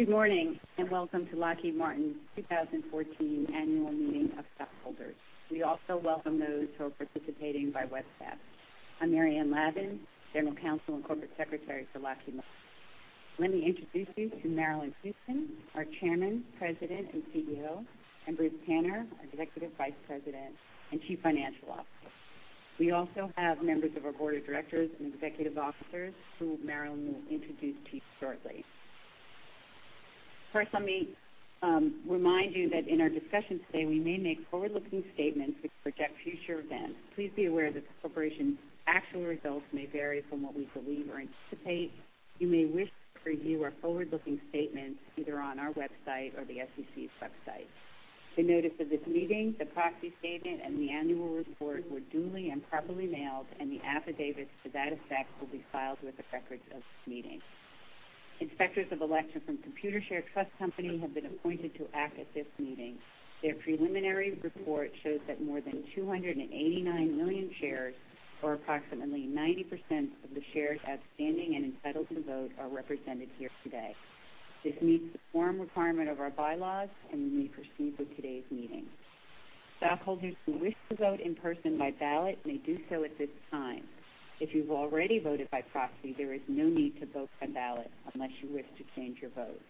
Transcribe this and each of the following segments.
Good morning. Welcome to Lockheed Martin's 2014 annual meeting of stockholders. We also welcome those who are participating by webcast. I'm Maryanne Lavan, general counsel and corporate secretary for Lockheed Martin. Let me introduce you to Marillyn Hewson, our chairman, president, and CEO, and Bruce Tanner, our executive vice president and chief financial officer. We also have members of our board of directors and executive officers who Marillyn will introduce to you shortly. First, let me remind you that in our discussion today, we may make forward-looking statements which project future events. Please be aware that the corporation's actual results may vary from what we believe or anticipate. You may wish to review our forward-looking statements either on our website or the SEC's website. The notice of this meeting, the proxy statement, and the annual report were duly and properly mailed. The affidavits to that effect will be filed with the records of this meeting. Inspectors of election from Computershare Trust Company have been appointed to act at this meeting. Their preliminary report shows that more than 289 million shares or approximately 90% of the shares outstanding and entitled to vote are represented here today. This meets the quorum requirement of our bylaws. We may proceed with today's meeting. Stockholders who wish to vote in person by ballot may do so at this time. If you've already voted by proxy, there is no need to vote by ballot unless you wish to change your vote.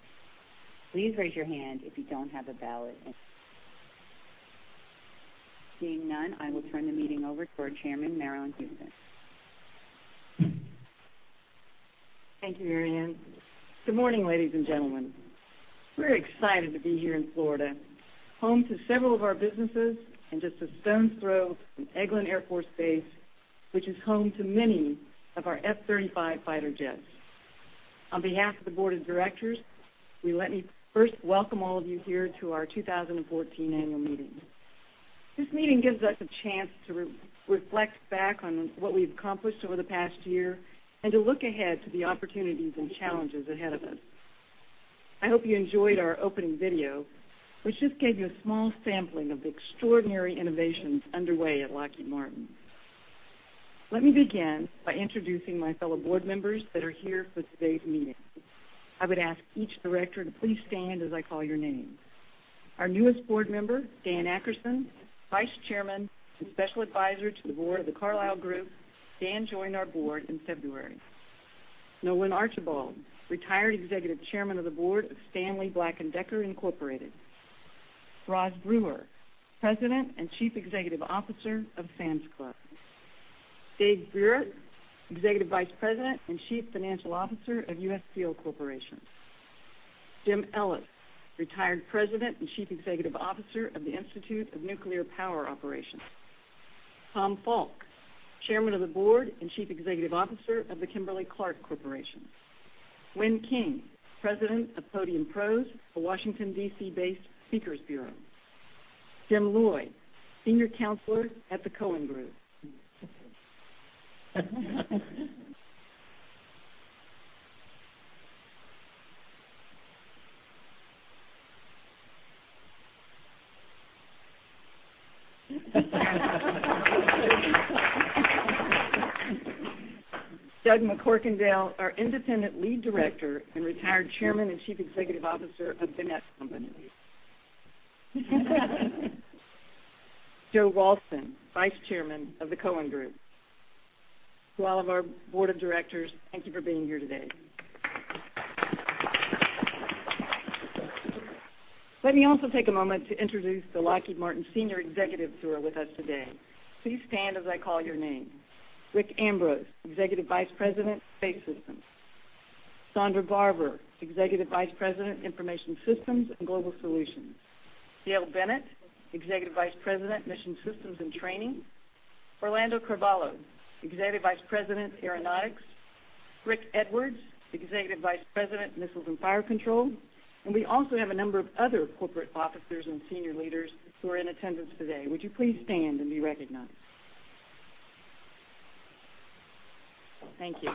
Please raise your hand if you don't have a ballot. Seeing none, I will turn the meeting over to our chairman, Marillyn Hewson. Thank you, Maryanne. Good morning, ladies and gentlemen. We're excited to be here in Florida, home to several of our businesses and just a stone's throw from Eglin Air Force Base, which is home to many of our F-35 fighter jets. On behalf of the board of directors, let me first welcome all of you here to our 2014 annual meeting. This meeting gives us a chance to reflect back on what we've accomplished over the past year and to look ahead to the opportunities and challenges ahead of us. I hope you enjoyed our opening video, which just gave you a small sampling of the extraordinary innovations underway at Lockheed Martin. Let me begin by introducing my fellow board members that are here for today's meeting. I would ask each director to please stand as I call your name. Our newest board member, Dan Akerson, vice chairman and special advisor to the board of The Carlyle Group. Dan joined our board in February. Nolan Archibald, retired executive chairman of the board of Stanley Black & Decker Incorporated. Roz Brewer, president and chief executive officer of Sam's Club. Dave Burritt, executive vice president and chief financial officer of United States Steel Corporation. Jim Ellis, retired president and chief executive officer of the Institute of Nuclear Power Operations. Tom Falk, chairman of the board and chief executive officer of the Kimberly-Clark Corporation. Lynn King, president of Podium Pros, a Washington, D.C.-based speakers bureau. Jim Lloyd, senior counselor at The Cohen Group. Doug McCorkindale, our independent lead director and retired chairman and chief executive officer of the Net Companies. Joe Walston, vice chairman of The Cohen Group. To all of our board of directors, thank you for being here today. Let me also take a moment to introduce the Lockheed Martin senior executives who are with us today. Please stand as I call your name. Rick Ambrose, Executive Vice President, Space Systems. Sondra Barbour, Executive Vice President, Information Systems and Global Solutions. Dale Bennett, Executive Vice President, Mission Systems and Training. Orlando Carvalho, Executive Vice President, Aeronautics. Rick Edwards, Executive Vice President, Missiles and Fire Control. We also have a number of other corporate officers and senior leaders who are in attendance today. Would you please stand and be recognized? Thank you.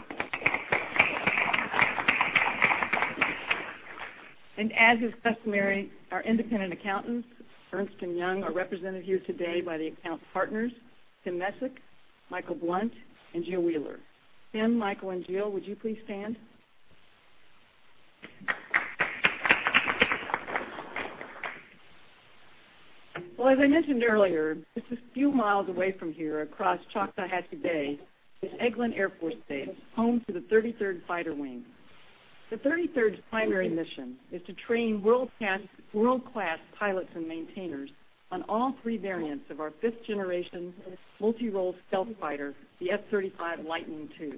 As is customary, our independent accountants, Ernst & Young, are represented here today by the account partners, Tim Messick, Michael Blunt, and Jill Wheeler. Tim, Michael, and Jill, would you please stand? As I mentioned earlier, just a few miles away from here across Choctawhatchee Bay is Eglin Air Force Base, home to the 33rd Fighter Wing. The 33rd's primary mission is to train world-class pilots and maintainers on all three variants of our fifth-generation multi-role stealth fighter, the F-35 Lightning II.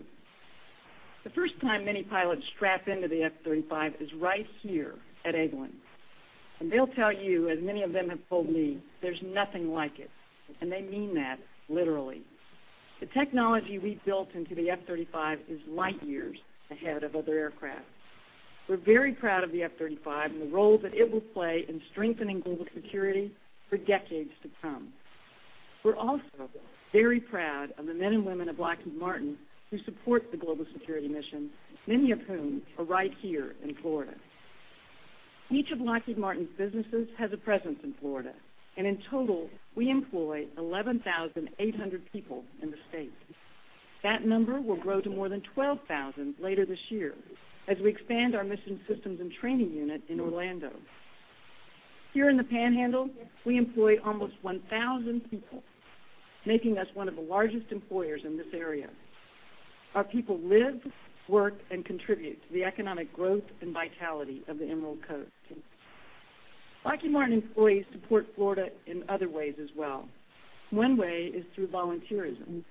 The first time many pilots strap into the F-35 is right here at Eglin, and they'll tell you, as many of them have told me, there's nothing like it, and they mean that literally. The technology we built into the F-35 is light years ahead of other aircraft. We're very proud of the F-35 and the role that it will play in strengthening global security for decades to come. We're also very proud of the men and women of Lockheed Martin who support the global security mission, many of whom are right here in Florida. Each of Lockheed Martin's businesses has a presence in Florida, and in total, we employ 11,800 people in the state. That number will grow to more than 12,000 later this year as we expand our Mission Systems and Training unit in Orlando. Here in the Panhandle, we employ almost 1,000 people, making us one of the largest employers in this area. Our people live, work, and contribute to the economic growth and vitality of the Emerald Coast. Lockheed Martin employees support Florida in other ways as well. One way is through volunteerism.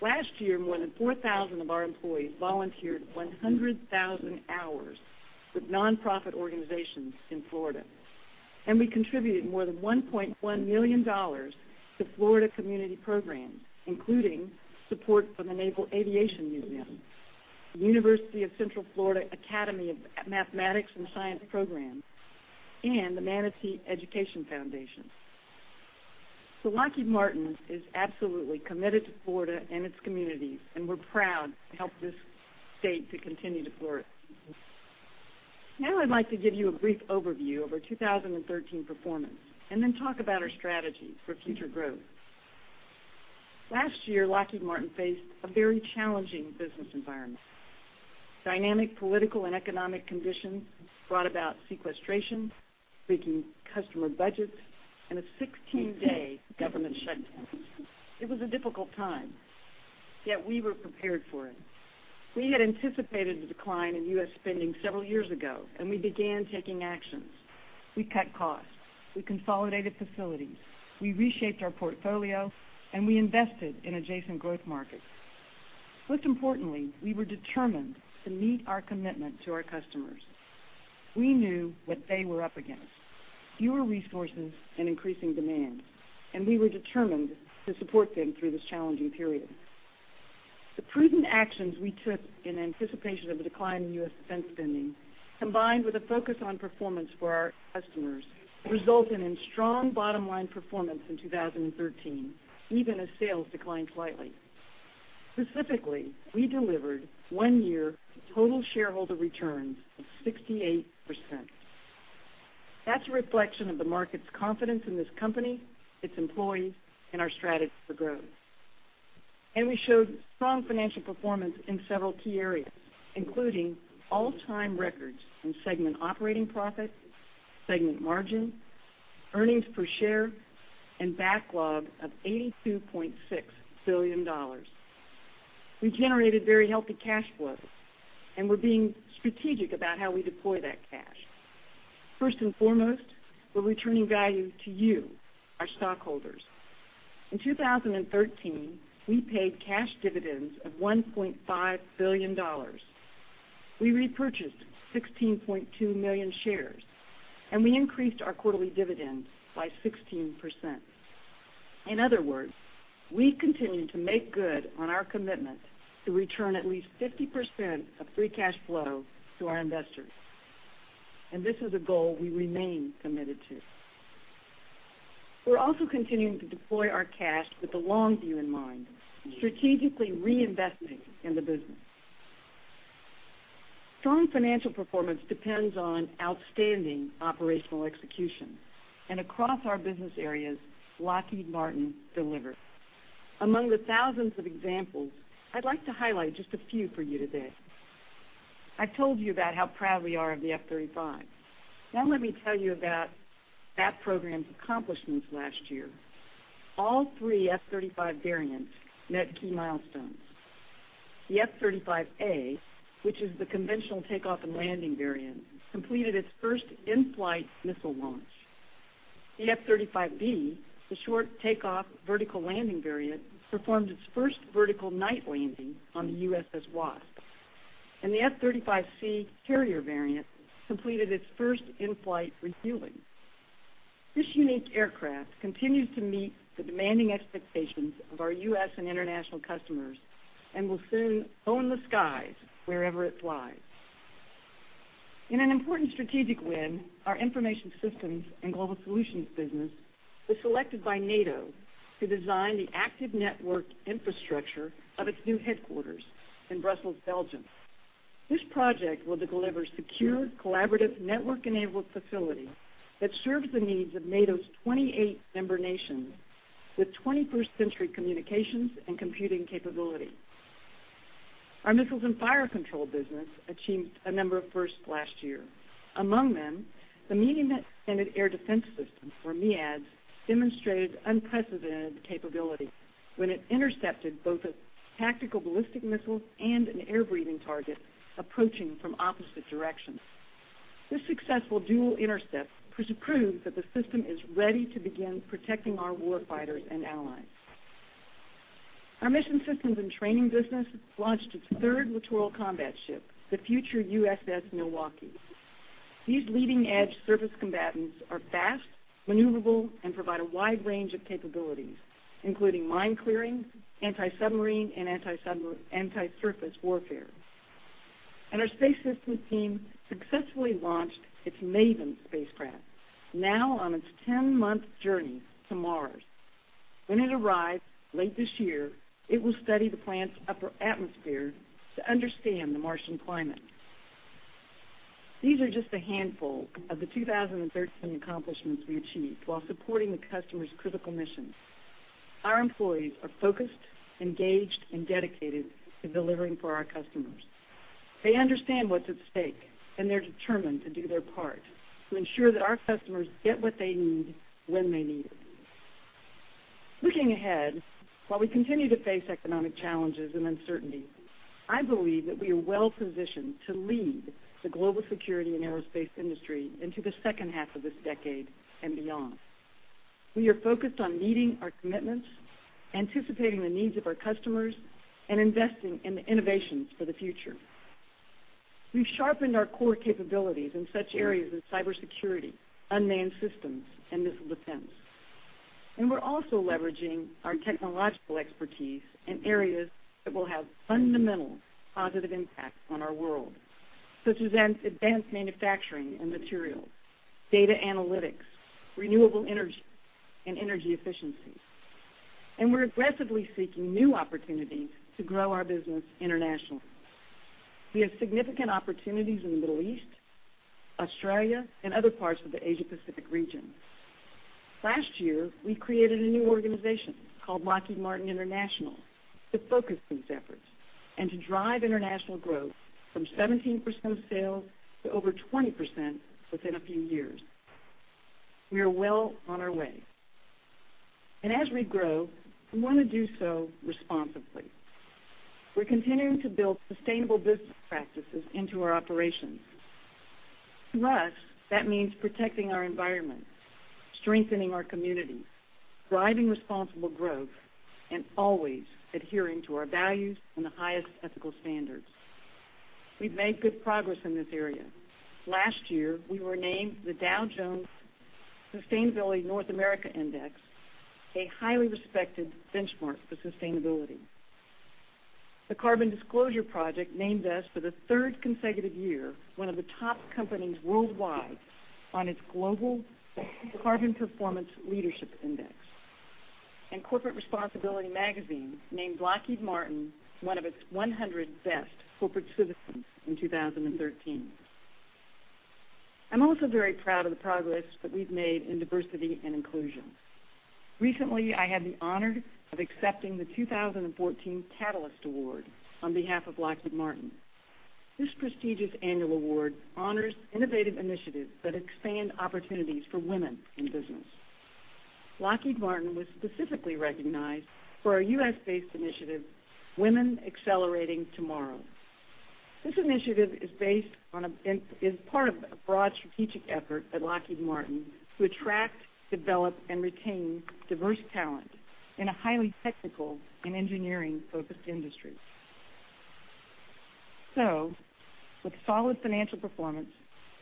Last year, more than 4,000 of our employees volunteered 100,000 hours with nonprofit organizations in Florida, and we contributed more than $1.1 million to Florida community programs, including support for the National Naval Aviation Museum, the University of Central Florida Academy of Mathematics and Science programs, and the Manatee Education Foundation. Lockheed Martin is absolutely committed to Florida and its communities, and we're proud to help this state to continue to flourish. I'd like to give you a brief overview of our 2013 performance and then talk about our strategy for future growth. Last year, Lockheed Martin faced a very challenging business environment. Dynamic political and economic conditions brought about sequestration, shrinking customer budgets, and a 16-day government shutdown. It was a difficult time, yet we were prepared for it. We had anticipated the decline in U.S. spending several years ago, and we began taking actions. We cut costs. We consolidated facilities. We reshaped our portfolio, and we invested in adjacent growth markets. Most importantly, we were determined to meet our commitment to our customers. We knew what they were up against, fewer resources and increasing demand, and we were determined to support them through this challenging period. The prudent actions we took in anticipation of a decline in U.S. defense spending, combined with a focus on performance for our customers, resulted in strong bottom-line performance in 2013, even as sales declined slightly. Specifically, we delivered one-year total shareholder returns of 68%. That's a reflection of the market's confidence in this company, its employees, and our strategy for growth. We showed strong financial performance in several key areas, including all-time records in segment operating profit, segment margin, earnings per share, and backlog of $82.6 billion. We generated very healthy cash flow, and we're being strategic about how we deploy that cash. First and foremost, we're returning value to you, our stockholders. In 2013, we paid cash dividends of $1.5 billion. We repurchased 16.2 million shares, and we increased our quarterly dividend by 16%. In other words, we continue to make good on our commitment to return at least 50% of free cash flow to our investors. This is a goal we remain committed to. We're also continuing to deploy our cash with the long view in mind, strategically reinvesting in the business. Strong financial performance depends on outstanding operational execution, and across our business areas, Lockheed Martin delivered. Among the thousands of examples, I'd like to highlight just a few for you today. I've told you about how proud we are of the F-35. Let me tell you about that program's accomplishments last year. All three F-35 variants met key milestones. The F-35A, which is the conventional takeoff and landing variant, completed its first in-flight missile launch. The F-35B, the short takeoff, vertical landing variant, performed its first vertical night landing on the USS Wasp. The F-35C carrier variant completed its first in-flight refueling. This unique aircraft continues to meet the demanding expectations of our U.S. and international customers and will soon own the skies wherever it flies. In an important strategic win, our Information Systems and Global Solutions business was selected by NATO to design the active network infrastructure of its new headquarters in Brussels, Belgium. This project will deliver secure, collaborative, network-enabled facility that serves the needs of NATO's 28 member nations with 21st-century communications and computing capability. Our Missiles and Fire Control business achieved a number of firsts last year. Among them, the Medium Extended Air Defense System, or MEADS, demonstrated unprecedented capability when it intercepted both a tactical ballistic missile and an air-breathing target approaching from opposite directions. This successful dual intercept has proved that the system is ready to begin protecting our war fighters and allies. Our Mission Systems and Training business launched its third littoral combat ship, the future USS Milwaukee. These leading-edge surface combatants are fast, maneuverable, and provide a wide range of capabilities, including mine clearing, anti-submarine, and anti-surface warfare. Our Space Systems team successfully launched its MAVEN spacecraft, now on its 10-month journey to Mars. When it arrives late this year, it will study the planet's upper atmosphere to understand the Martian climate. These are just a handful of the 2013 accomplishments we achieved while supporting the customer's critical missions. Our employees are focused, engaged, and dedicated to delivering for our customers. They understand what's at stake, and they're determined to do their part to ensure that our customers get what they need when they need it. Looking ahead, while we continue to face economic challenges and uncertainty, I believe that we are well-positioned to lead the global security and aerospace industry into the second half of this decade and beyond. We are focused on meeting our commitments, anticipating the needs of our customers, and investing in the innovations for the future. We've sharpened our core capabilities in such areas as cybersecurity, unmanned systems, and missile defense, and we're also leveraging our technological expertise in areas that will have fundamental positive impacts on our world, such as advanced manufacturing and materials, data analytics, renewable energy, and energy efficiency. We're aggressively seeking new opportunities to grow our business internationally. We have significant opportunities in the Middle East, Australia, and other parts of the Asia Pacific region. Last year, we created a new organization called Lockheed Martin International to focus these efforts and to drive international growth from 17% of sales to over 20% within a few years. We are well on our way. As we grow, we want to do so responsibly. We're continuing to build sustainable business practices into our operations. To us, that means protecting our environment, strengthening our communities, driving responsible growth, and always adhering to our values and the highest ethical standards. We've made good progress in this area. Last year, we were named the Dow Jones Sustainability North America Index, a highly respected benchmark for sustainability. The Carbon Disclosure Project named us, for the third consecutive year, one of the top companies worldwide on its global Carbon Performance Leadership Index. Corporate Responsibility Magazine named Lockheed Martin one of its 100 best corporate citizens in 2013. I'm also very proud of the progress that we've made in diversity and inclusion. Recently, I had the honor of accepting the 2014 Catalyst Award on behalf of Lockheed Martin. This prestigious annual award honors innovative initiatives that expand opportunities for women in business. Lockheed Martin was specifically recognized for our U.S.-based initiative, Women Accelerating Tomorrow. This initiative is part of a broad strategic effort at Lockheed Martin to attract, develop, and retain diverse talent in a highly technical and engineering-focused industry. With solid financial performance,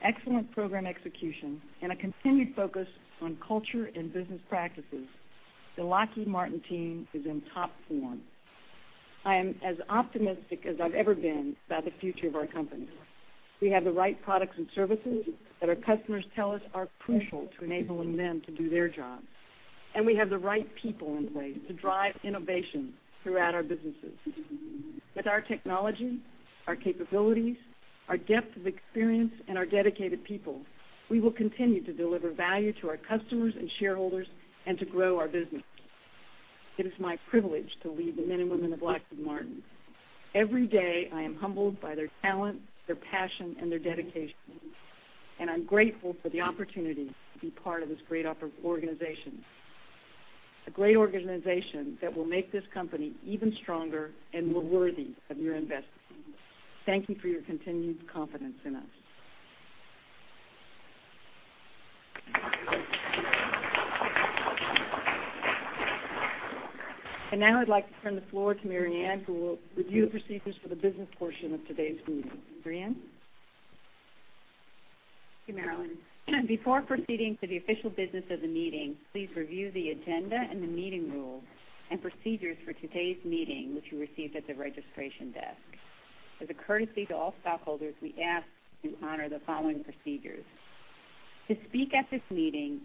excellent program execution, and a continued focus on culture and business practices, the Lockheed Martin team is in top form. I am as optimistic as I've ever been about the future of our company. We have the right products and services that our customers tell us are crucial to enabling them to do their jobs. We have the right people in place to drive innovation throughout our businesses. With our technology, our capabilities, our depth of experience, and our dedicated people, we will continue to deliver value to our customers and shareholders and to grow our business. It is my privilege to lead the men and women of Lockheed Martin. Every day, I am humbled by their talent, their passion, and their dedication, and I'm grateful for the opportunity to be part of this great organization. A great organization that will make this company even stronger and more worthy of your investment. Thank you for your continued confidence in us. Now I'd like to turn the floor to Maryanne, who will review the procedures for the business portion of today's meeting. Maryanne? Thank you, Marillyn. Before proceeding to the official business of the meeting, please review the agenda and the meeting rules and procedures for today's meeting, which you received at the registration desk. As a courtesy to all stockholders, we ask that you honor the following procedures. To speak at this meeting,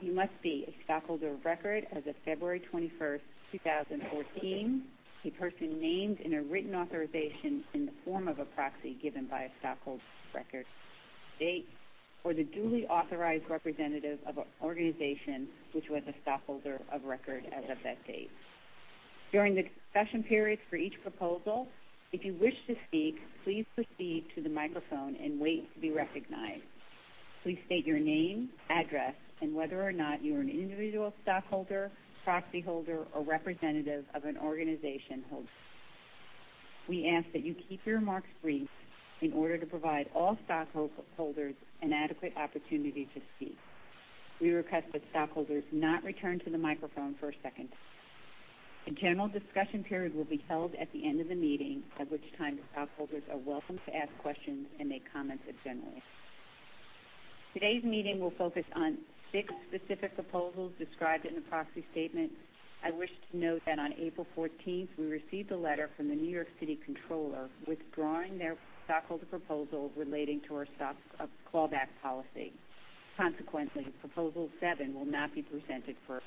you must be a stockholder of record as of February 21st, 2014, a person named in a written authorization in the form of a proxy given by a stockholder of record as of that date, or the duly authorized representative of an organization which was a stockholder of record as of that date. During the discussion periods for each proposal, if you wish to speak, please proceed to the microphone and wait to be recognized. Please state your name, address, and whether or not you are an individual stockholder, proxy holder, or representative of an organization holder. We ask that you keep your remarks brief in order to provide all stockholders an adequate opportunity to speak. We request that stockholders not return to the microphone for a second time. A general discussion period will be held at the end of the meeting, at which time the stockholders are welcome to ask questions and make comments if generally applicable. Today's meeting will focus on six specific proposals described in the proxy statement. I wish to note that on April 14th, we received a letter from the New York City Comptroller withdrawing their stockholder proposal relating to our stock clawback policy. Consequently, proposal seven will not be presented for a vote.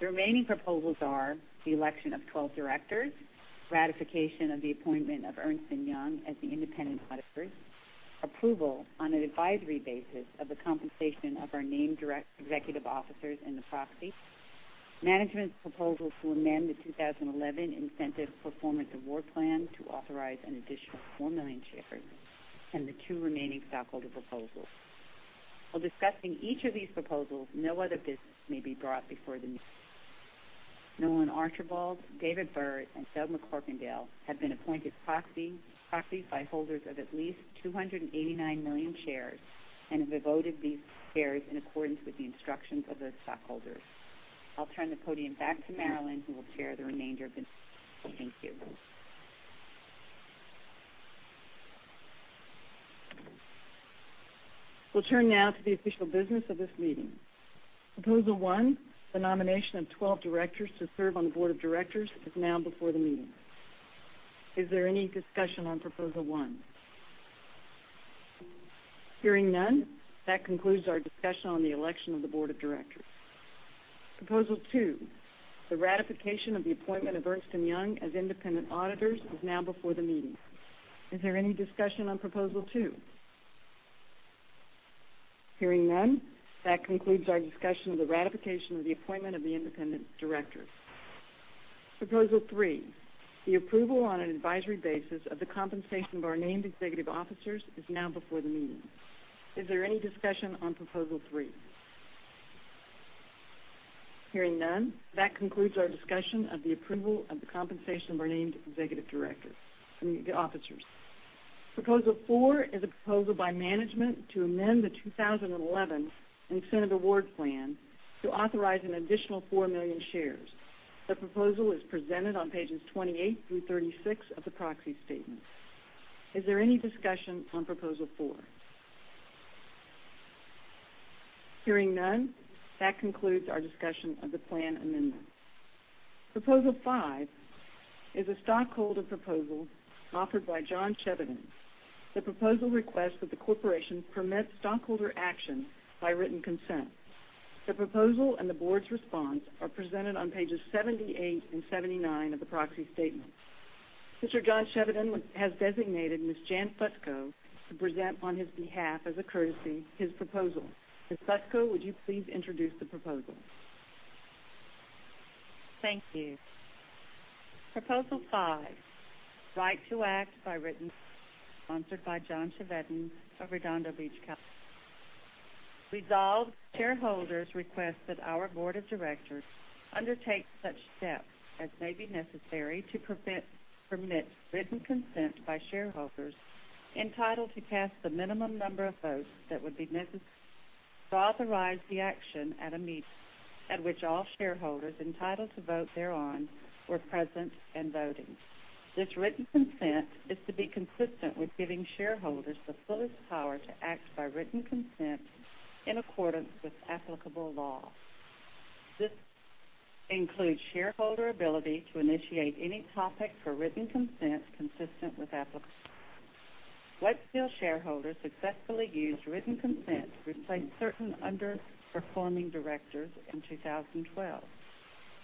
The remaining proposals are the election of 12 directors, ratification of the appointment of Ernst & Young as the independent auditors, approval on an advisory basis of the compensation of our named executive officers in the proxy, management proposals to amend the 2011 Incentive Performance Award Plan to authorize an additional 4 million shares, and the two remaining stockholder proposals. While discussing each of these proposals, no other business may be brought before the meeting. Nolan Archibald, David Burritt, and Doug McCorkindale have been appointed proxies by holders of at least 289 million shares and have voted these shares in accordance with the instructions of those stockholders. I'll turn the podium back to Marillyn, who will chair the remainder of the meeting. Thank you. We'll turn now to the official business of this meeting. Proposal one, the nomination of 12 directors to serve on the board of directors, is now before the meeting. Is there any discussion on proposal one? Hearing none, that concludes our discussion on the election of the board of directors. Proposal two, the ratification of the appointment of Ernst & Young as independent auditors, is now before the meeting. Is there any discussion on proposal two? Hearing none, that concludes our discussion of the ratification of the appointment of the independent directors. Proposal three, the approval on an advisory basis of the compensation of our named executive officers, is now before the meeting. Is there any discussion on proposal three? Hearing none, that concludes our discussion of the approval of the compensation of our named executive officers. Proposal four is a proposal by management to amend the 2011 Incentive Award Plan to authorize an additional 4 million shares. The proposal is presented on pages 28 through 36 of the proxy statement. Is there any discussion on proposal four? Hearing none, that concludes our discussion of the Plan amendment. Proposal five is a stockholder proposal offered by John Chevedden. The proposal requests that the corporation permit stockholder action by written consent. The proposal and the board's response are presented on pages 78 and 79 of the proxy statement. Mr. John Chevedden has designated Ms. Jan Fusco to present on his behalf, as a courtesy, his proposal. Ms. Fusco, would you please introduce the proposal? Thank you. Proposal five, right to act by written consent, sponsored by John Chevedden of Redondo Beach, California. Resolved, shareholders request that our board of directors undertake such steps as may be necessary to permit written consent by shareholders entitled to cast the minimum number of votes that would be necessary to authorize the action at a meeting at which all shareholders entitled to vote thereon were present and voting. This written consent is to be consistent with giving shareholders the fullest power to act by written consent in accordance with applicable law. This includes shareholder ability to initiate any topic for written consent consistent with applicable law. Wet Seal shareholders successfully used written consent to replace certain underperforming directors in 2012.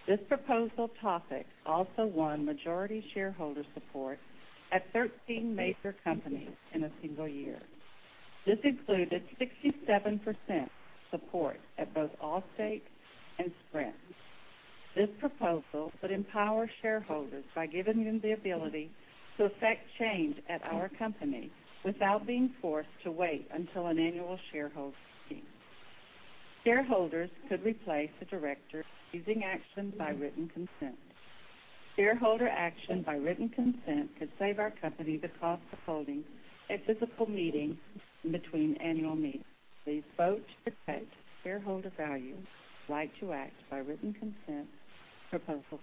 This proposal topic also won majority shareholder support at 13 major companies in a single year. This included 67% support at both Allstate and Sprint. This proposal would empower shareholders by giving them the ability to effect change at our company without being forced to wait until an annual shareholders meeting. Shareholders could replace a director using action by written consent. Shareholder action by written consent could save our company the cost of holding a physical meeting in between annual meetings. Please vote to protect shareholder value. Right to act by written consent proposal.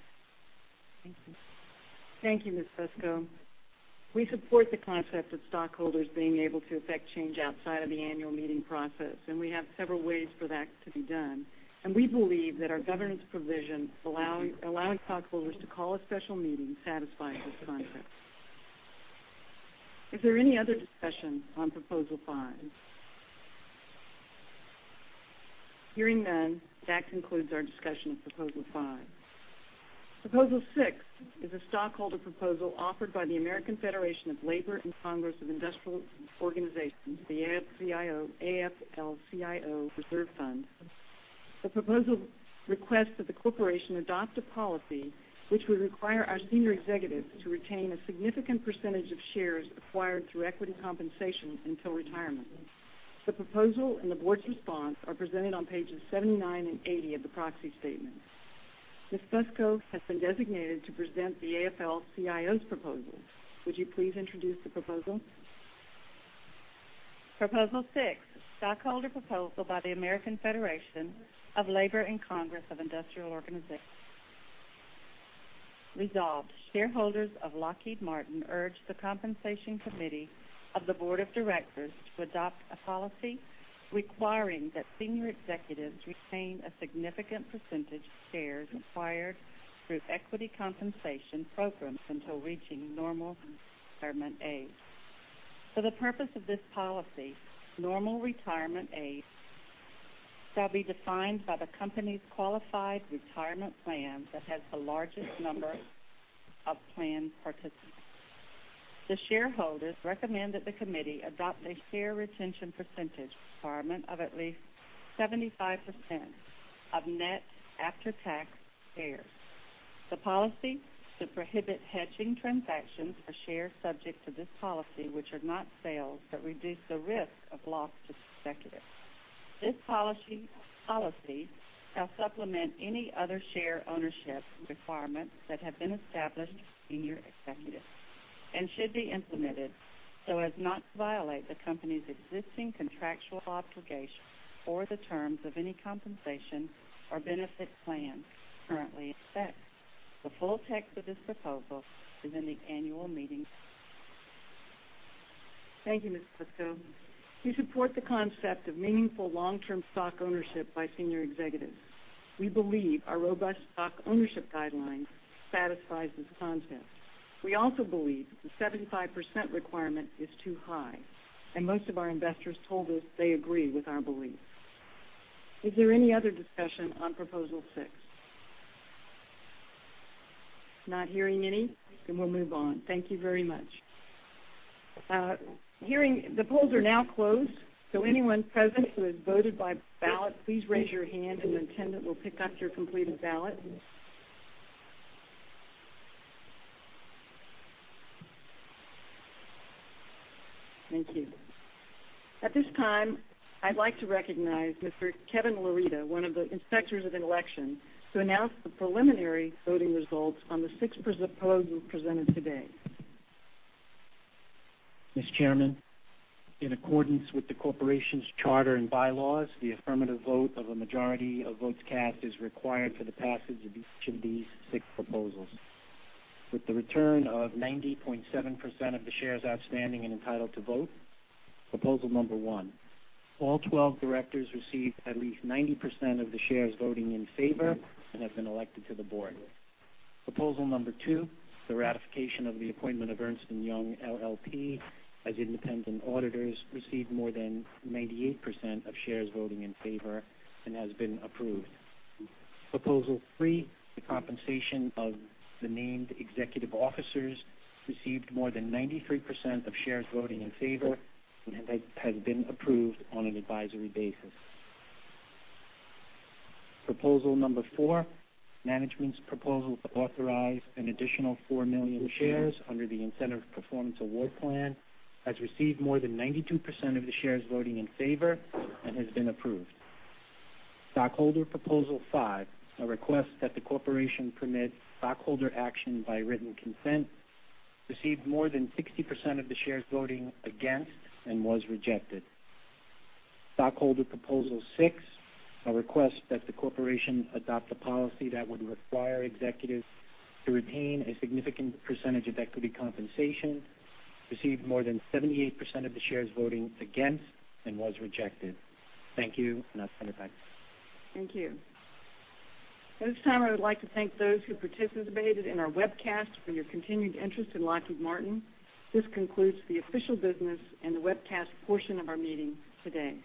Thank you. Thank you, Ms. Fusco. We support the concept of stockholders being able to effect change outside of the annual meeting process. We have several ways for that to be done. We believe that our governance provision allowing stockholders to call a special meeting satisfies this concept. Is there any other discussion on proposal five? Hearing none, that concludes our discussion of proposal five. Proposal six is a stockholder proposal offered by the American Federation of Labor and Congress of Industrial Organizations, the AFL-CIO Reserve Fund. The proposal requests that the corporation adopt a policy which would require our senior executives to retain a significant percentage of shares acquired through equity compensation until retirement. The proposal and the board's response are presented on pages 79 and 80 of the proxy statement. Ms. Fusco has been designated to present the AFL-CIO's proposal. Would you please introduce the proposal? Proposal six, stockholder proposal by the American Federation of Labor and Congress of Industrial Organizations. Resolved, shareholders of Lockheed Martin urge the Compensation Committee of the Board of Directors to adopt a policy requiring that senior executives retain a significant percentage of shares acquired through equity compensation programs until reaching normal retirement age. For the purpose of this policy, normal retirement age shall be defined by the company's qualified retirement plan that has the largest number of plan participants. The shareholders recommend that the committee adopt a share retention percentage requirement of at least 75% of net after-tax shares. The policy should prohibit hedging transactions for shares subject to this policy, which are not sales that reduce the risk of loss to executives. This policy shall supplement any other share ownership requirements that have been established for senior executives and should be implemented so as not to violate the company's existing contractual obligations or the terms of any compensation or benefit plan currently in effect. The full text of this proposal is in the annual meeting. Thank you, Ms. Fusco. We support the concept of meaningful long-term stock ownership by senior executives. We believe our robust stock ownership guidelines satisfies this concept. We also believe that the 75% requirement is too high, and most of our investors told us they agree with our belief. Is there any other discussion on proposal six? Not hearing any, we'll move on. Thank you very much. The polls are now closed, anyone present who has voted by ballot, please raise your hand and an attendant will pick up your completed ballot. Thank you. At this time, I'd like to recognize Mr. Kevin Laurita, one of the inspectors of an election, to announce the preliminary voting results on the six proposals presented today. Ms. Chairman, in accordance with the corporation's charter and bylaws, the affirmative vote of a majority of votes cast is required for the passage of each of these six proposals. With the return of 90.7% of the shares outstanding and entitled to vote, proposal number one, all 12 directors received at least 90% of the shares voting in favor and have been elected to the board. Proposal number two, the ratification of the appointment of Ernst & Young LLP as independent auditors, received more than 98% of shares voting in favor and has been approved. Proposal three, the compensation of the named executive officers, received more than 93% of shares voting in favor and has been approved on an advisory basis. Proposal number four, management's proposal to authorize an additional 4 million shares under the Incentive Performance Award Plan, has received more than 92% of the shares voting in favor and has been approved. Stockholder proposal five, a request that the corporation permit stockholder action by written consent, received more than 60% of the shares voting against and was rejected. Stockholder proposal six, a request that the corporation adopt a policy that would require executives to retain a significant percentage of equity compensation, received more than 78% of the shares voting against and was rejected. Thank you, and I'll stand back. Thank you. At this time, I would like to thank those who participated in our webcast for your continued interest in Lockheed Martin. This concludes the official business and the webcast portion of our meeting today.